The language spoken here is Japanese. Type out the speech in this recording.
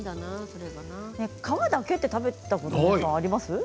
皮だけを食べたことありますか。